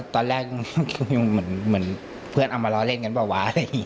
ตอนแรกเหมือนเพื่อนอำมาเลาะเล่นกันเปล่าวะ